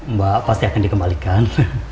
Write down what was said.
mbak pasti akan dikembalikan